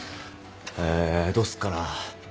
えどうすっかな。